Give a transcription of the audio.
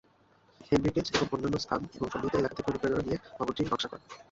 হেনরিকেজ এর অনন্য স্থান এবং সন্নিহিত এলাকা থেকে অনুপ্রেরণা নিয়ে ভবনটির নকশা করেন।